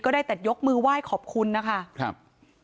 ได้แต่ยกมือไหว้ขอบคุณนะคะครับ